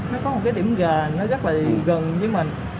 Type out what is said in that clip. nó có một cái điểm gần nó rất là gần với mình